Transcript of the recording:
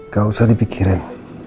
gak usah dipikirin